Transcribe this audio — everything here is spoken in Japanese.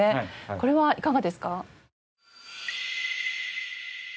これはいかがですか？